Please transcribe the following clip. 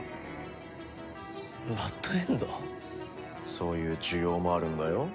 そういう需要もあるんだよ。